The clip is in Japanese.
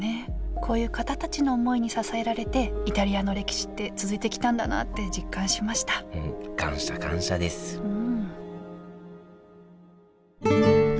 こういう方たちの思いに支えられてイタリアの歴史って続いてきたんだなって実感しました感謝感謝ですうん！